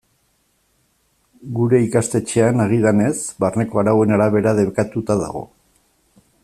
Gure ikastetxean, agidanez, barneko arauen arabera debekatuta dago.